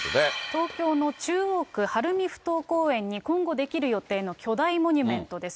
東京の中央区晴海ふ頭公園に今後出来る予定の巨大モニュメントです。